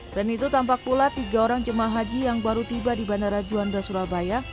selain itu tampak pula tiga orang jemaah haji yang baru tiba di bandara juanda surabaya